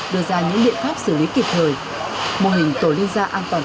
đưa ra những liện pháp xử lý kịp thời